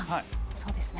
そうですね。